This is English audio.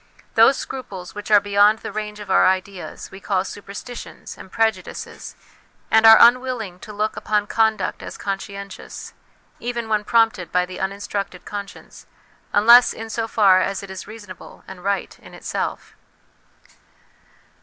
Those scruples which are beyond the range of our ideas we call superstitions and prejudices, and are unwilling to look upon conduct as conscientious, even when prompted by the unin structed conscience, unless in so far as it is reasonable and right in itself.